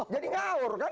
jadi ngaur kan